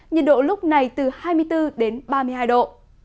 nhiệt độ lúc này từ hai mươi bốn đến ba mươi hai độ